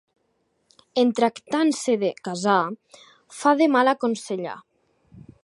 En tractant-se de casar, fa de mal aconsellar.